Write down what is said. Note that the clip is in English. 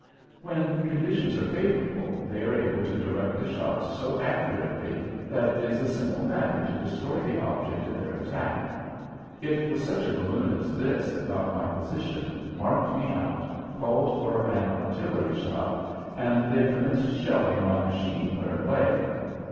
When conditions are favorable they are able to direct the shots so accurately that it is a simple matter to destroy the object of their attack. It was such a balloon as this that got my position, marked me out, called for an artillery shot, and they commenced shelling my machine where it lay.